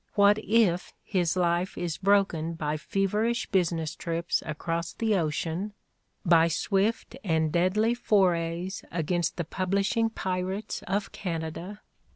What if his life is broken by feverish business trips across the ocean, by swift and deadly forays against the publishing pirates of Canada?